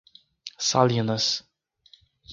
Salinas